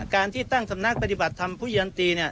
การที่ตั้งธนาคปฏิบัติธรรมพุทธยันตี